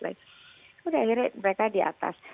akhirnya mereka di atas